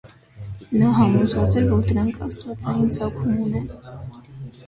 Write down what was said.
Նա համոզված էր, որ դրանք աստվածային ծագում ունեն։